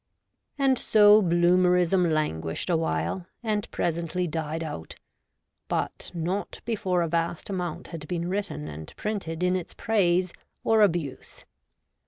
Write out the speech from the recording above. And so Bloomerism languished awhile and pre sently died out, but not before a vast amount had 32 REVOLTED WOMAN. been written and printed in its praise or abuse.